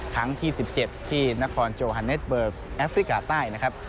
ครั้งที่๑๗ที่นครโจฮาเนสเบิร์กแอฟริกาใต้นะครับ